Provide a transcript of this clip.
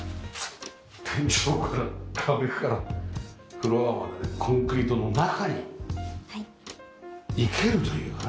天井から壁からフロアまでコンクリートの中に生けるというのかな。